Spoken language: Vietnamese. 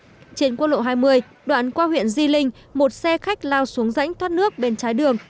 trên quốc lộ hai mươi đoạn qua huyện di linh một xe khách lao xuống rãnh thoát nước bên trái đường